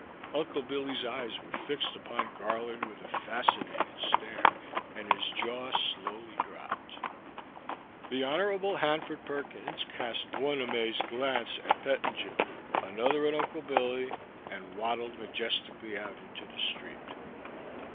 Uncle Billy's eyes were fixed upon Garland with a fasci nated stare, and his jaw slowly dropped. The Hon. Hanford Perkins cast one amazed glance at Pettingil, another at Uncle Billy, and waddled majestically out into the street.